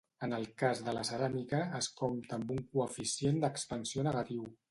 En el cas de la ceràmica, es compta amb un coeficient d'expansió negatiu.